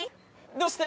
どうした？